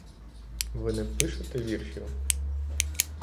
Ви не пишете віршів?